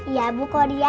iya bu kok dia